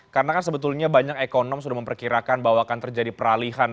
karena kan sebetulnya banyak ekonom sudah memperkirakan bahwa akan terjadi peralihan